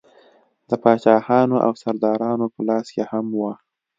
د پاچاهانو او سردارانو په لاس کې هم وه.